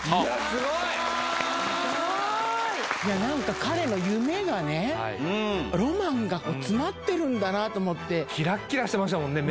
すごーい何か彼の夢がねロマンが詰まってるんだなと思ってキラッキラしてましたもんね